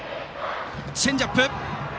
チェンジアップ！